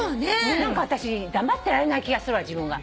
何か私黙ってられない気がするわ自分が。